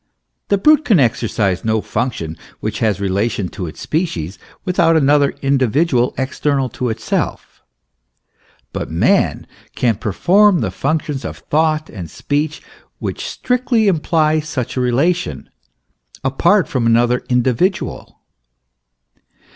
The brute can exercise no function which has rela tion to its species without another individual external to itself; but man can perform the functions of thought and speech, which strictly imply such a relation, apart from another individual.